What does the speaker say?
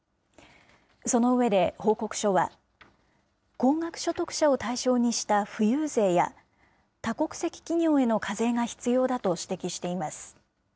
その上で、報告書は、高額所得者を対象にした富裕税や、多国籍企業への課税が必要だと指摘しています。